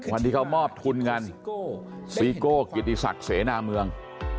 วันที่เขามอบทุนกันซีโก้เกียรติศักดิ์เสนาเมือง